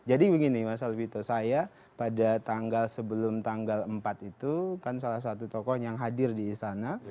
jadi begini mas alvito saya pada tanggal sebelum tanggal empat itu kan salah satu tokoh yang hadir di istana